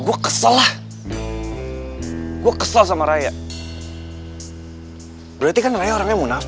gue kesel lah gue kesel sama raya berarti kan raya orangnya munaf